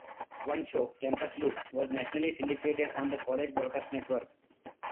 One show, "Campus Loop", was nationally syndicated on the College Broadcast network.